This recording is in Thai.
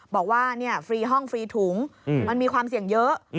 ฟรีห้องฟรีถุงมันมีความเสี่ยงเยอะ